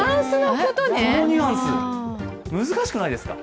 このニュアンス、難しくないですか？